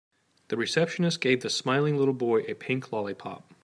The receptionist gave the smiling little boy a pink lollipop.